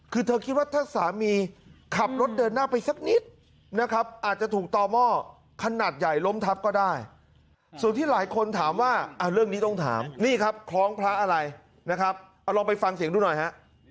คือเธอคิดว่าถ้าสามีขับรถเดินหน้าไปสักนิดนะครับอาจจะถูกต่อหม้อขนาดใหญ่ล้มทับก็ได้ส่วนที่หลายคนถามว่าเรื่องนี้ต้องถามนี่ครับคล้องพระอะไรนะครับเอาลองไปฟังเสียงดูหน่อยฮะ